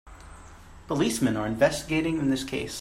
Policemen are investigating in this case.